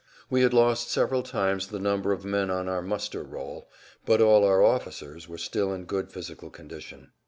We had lost several times the number of men on our muster roll, but all our officers were still in good physical condition.